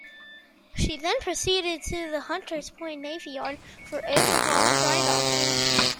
She then proceeded to the Hunters Point Navy Yard for overhaul and drydocking.